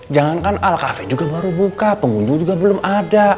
jangankan alkafe juga baru buka pengunjung juga belum ada